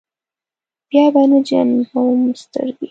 بیا به نه جنګوم سترګې.